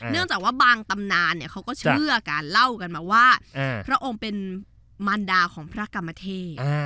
จากว่าบางตำนานเขาก็เชื่อการเล่ากันมาว่าพระองค์เป็นมารดาของพระกรรมเทพ